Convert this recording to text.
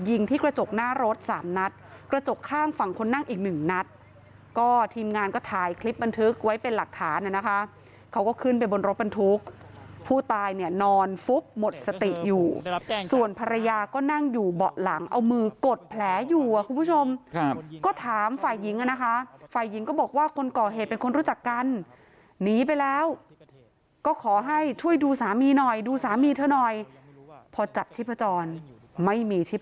ยิงที่กระจกหน้ารถสามนัดกระจกข้างฝั่งคนนั่งอีกหนึ่งนัดก็ทีมงานก็ถ่ายคลิปบรรทุกไว้เป็นหลักฐานนะคะเขาก็ขึ้นไปบนรถบรรทุกผู้ตายเนี่ยนอนฟุ๊บหมดสติอยู่ส่วนภรรยาก็นั่งอยู่เบาะหลังเอามือกดแผลอยู่คุณผู้ชมก็ถามฝ่ายิงนะคะฝ่ายิงก็บอกว่าคนก่อเหตุเป็นคนรู้จักกันหนีไปแล้วก็ขอให้ช่วยดูสาม